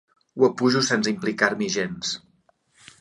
Ho apujo sense implicar-m'hi gens.